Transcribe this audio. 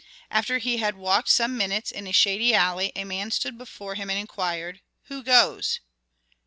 After he had walked some minutes in a shady alley a man stood before him and inquired, "Who goes?"